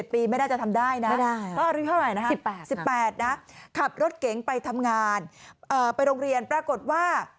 ๑๗ปีไม่ได้จะทำได้นะสิบแปดนะขับรถเก๋งไปทำงานไปโรงเรียนปรากฏว่า